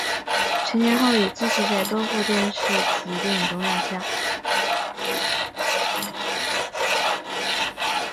成年后也继续在多部电视及电影中亮相。